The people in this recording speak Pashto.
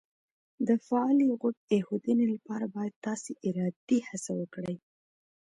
د فعالې غوږ ایښودنې لپاره باید تاسې ارادي هڅه وکړئ